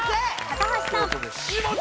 高橋さん。